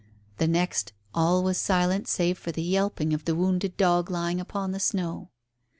The next all was silence save for the yelping of the wounded dog lying upon the snow.